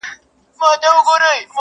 تا چي رنګ د ورور په وینو صمصام راوړ,